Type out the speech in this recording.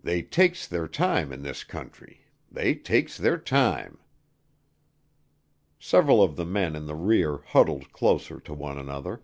They takes their time in this country, they takes their time." Several of the men in the rear huddled closer to one another.